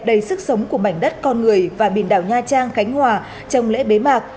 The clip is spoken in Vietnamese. đầy sức sống của mảnh đất con người và biển đảo nha trang khánh hòa trong lễ bế mạc